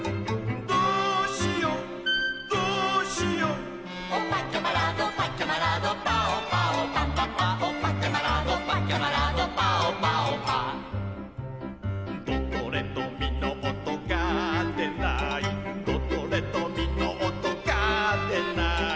「どうしようどうしよう」「オパッキャマラドパッキャマラドパオパオパンパンパン」「オパッキャマラドパッキャマラドパオパオパ」「ドとレとミの音がでない」「ドとレとミの音がでない」